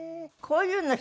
こういうの。